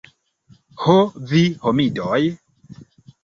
Ho vi homidoj!